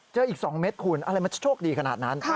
อีก๒เม็ดคุณอะไรมันจะโชคดีขนาดนั้น